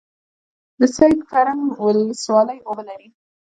د سید کرم ولسوالۍ اوبه لري